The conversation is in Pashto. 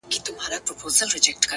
ما د وحشت په زمانه کي زندگې کړې ده؛